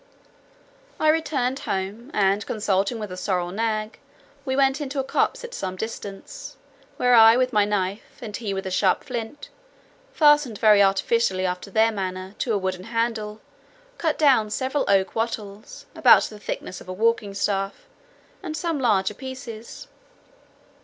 I returned home, and consulting with the sorrel nag, we went into a copse at some distance, where I with my knife, and he with a sharp flint, fastened very artificially after their manner, to a wooden handle, cut down several oak wattles, about the thickness of a walking staff, and some larger pieces.